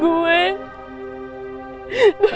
gue tuh capek